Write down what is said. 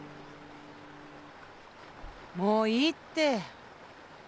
もういいって。